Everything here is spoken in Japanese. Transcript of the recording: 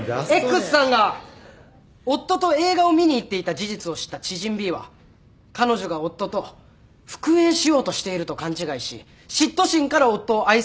Ｘさんが夫と映画を見に行っていた事実を知った知人Ｂは彼女が夫と復縁しようとしていると勘違いし嫉妬心から夫をアイスピックで刺した。